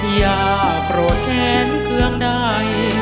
อย่าโกรธแค้นเครื่องใด